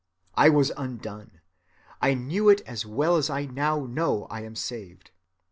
I was undone. I knew it as well as I now know I am saved.